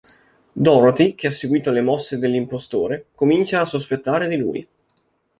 Dorothy, che ha seguito le mosse dell'impostore, comincia a sospettare di lui.